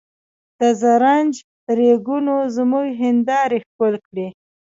د زرنج ریګونو زموږ هندارې ښکل کړې.